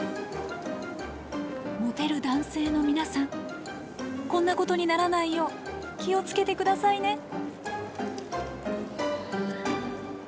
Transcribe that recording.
モテる男性の皆さんこんなことにならないよう気を付けて下さいね。